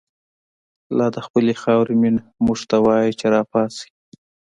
لادخپلی خاوری مینه، موږ ته وایی چه راپاڅئ